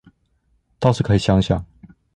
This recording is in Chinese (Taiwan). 倒是可以想想